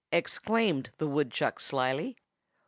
exclaimed the woodchuck slyly.